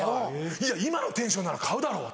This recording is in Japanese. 「いや今のテンションなら買うだろ！